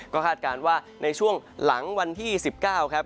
ก็คาดการณ์ว่าในช่วงหลังวันที่๑๙ครับ